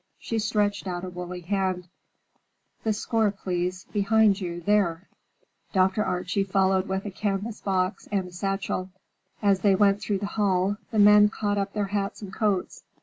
She stretched out a woolly hand, "The score, please. Behind you, there." Dr. Archie followed with a canvas box and a satchel. As they went through the hall, the men caught up their hats and coats.